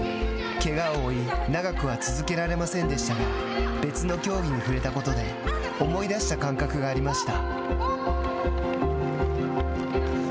けがを負い長くは続けられませんでしたが別の競技に触れたことで思い出した感覚がありました。